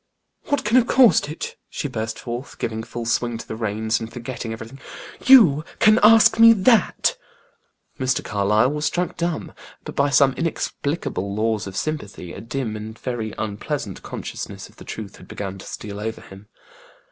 "What can have caused it?" she burst forth, giving full swing to the reins, and forgetting everything. "You can ask me that?" Mr. Carlyle was struck dumb; but by some inexplicable laws of sympathy, a dim and very unpleasant consciousness of the truth began to steal over him.